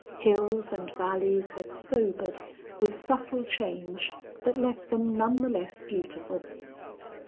Hills and valleys had sobered with subtle change that left them none the less beautiful.